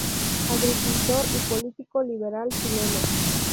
Agricultor y político liberal chileno.